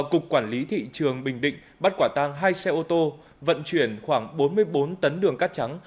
cục quản lý thị trường bình định bắt quả tang hai xe ô tô vận chuyển khoảng bốn mươi bốn tấn đường cát trắng